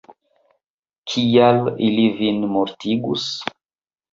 Kial, ili vin mortigus?